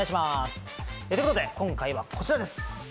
ということで今回はこちらです。